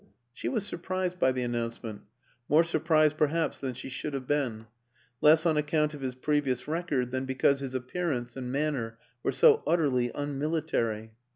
She was surprised by the announcement, more surprised perhaps than she should have been less on account of his previous record than because his appearance and manner were so utterly unmilitary.